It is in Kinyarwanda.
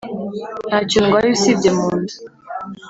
nta cyo ndwaye usibye munda